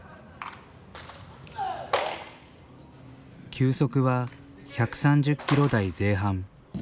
球速は１３０キロ台前半。